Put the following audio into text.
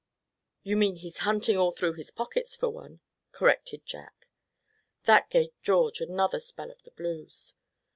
"You mean he's hunting all through his pockets for one," corrected Jack. That gave George another spell of the blues.